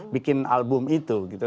bikin album itu gitu